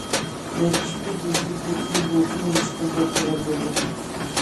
نەچچە كۈن ئۆتۈپ كەتكەن بولسىمۇ، ھېچقانداق خەۋەر بولمىدى.